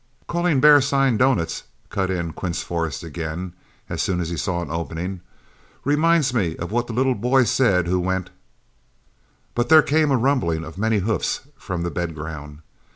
"Calling bear sign doughnuts," cut in Quince Forrest again, as soon as he saw an opening, "reminds me what the little boy said who went" But there came a rumbling of many hoofs from the bed ground.